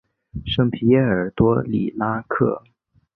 圣皮耶尔多里拉克。